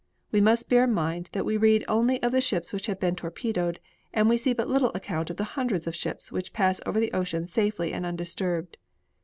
We must bear in mind that we read only of the ships which have been torpedoed and see but little account of the hundreds of ships which pass over the ocean safely and undisturbed.